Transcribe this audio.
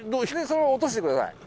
そのまま落としてください。